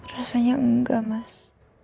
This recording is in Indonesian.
rasanya enggak mas